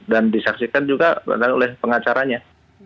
dan disaksikan juga oleh pengacaranya